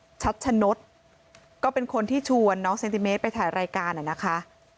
คุณชัดชะนดก็เป็นคนที่ชวนน้องเซนติเมตรไปถ่ายรายการนะคะ